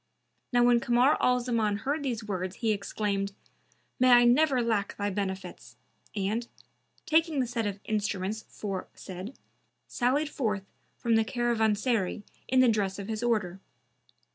Now when Kamar al Zaman heard these words he exclaimed, "May I never lack thy benefits!", and, taking the set of instruments aforesaid, sallied forth from the caravanserai in the dress of his order.